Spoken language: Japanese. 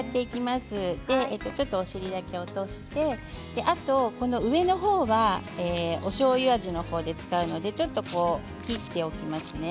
お尻だけ落として、上の方はおしょうゆ味の方で使うのでちょっと切っておきますね。